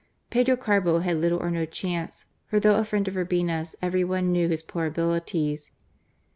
Pedro Carbo had little or no chance, for though a friend of Urbina*s, every one knew his poor abilities.